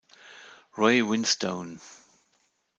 Ray Winstone